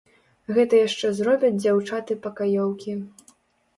Гэта яшчэ зробяць дзяўчаты-пакаёўкі.